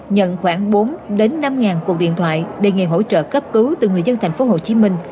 nhận khoảng bốn năm ngàn cuộc điện thoại đề nghị hỗ trợ cấp cứu từ người dân tp hcm